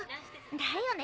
だよね。